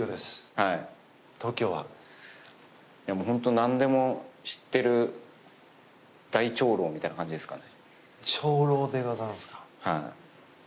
何でも知っている大長老みたいな感じですかね。